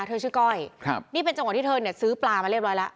เธอชื่อก้อยครับนี่เป็นจังหวะที่เธอเนี่ยซื้อปลามาเรียบร้อยแล้ว